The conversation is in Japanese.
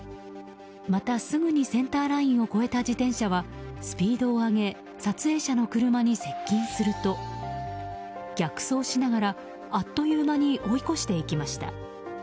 また、すぐにセンターラインを越えた自転車はスピードを上げ撮影者の車に接近すると逆走しながら、あっという間に追い越していきました。